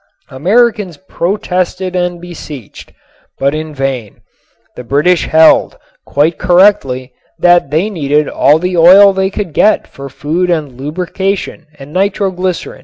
Americans protested and beseeched, but in vain. The British held, quite correctly, that they needed all the oil they could get for food and lubrication and nitroglycerin.